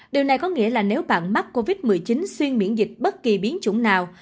điều này có nghĩa là nếu bạn mắc covid một mươi chín xuyên miễn dịch bất kỳ biến chủng nào